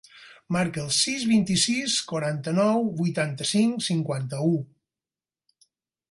Marca el sis, vint-i-sis, quaranta-nou, vuitanta-cinc, cinquanta-u.